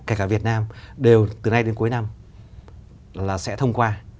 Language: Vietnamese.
kể cả việt nam đều từ nay đến cuối năm là sẽ thông qua